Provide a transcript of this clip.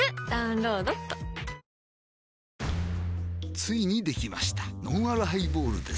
ついにできましたのんあるハイボールです